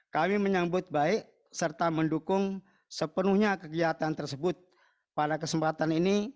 kami menyambut baik serta mendukung sepenuhnya kegiatan tersebut pada kesempatan ini